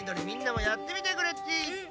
みんなもやってみてくれっち！